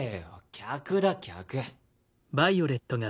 客だ客。